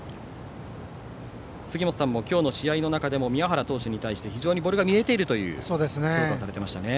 杉本さんも今日の試合の中でも宮原投手に対して非常にボールが見えていると評価されていましたね。